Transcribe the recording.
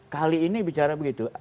kali ini bicara begitu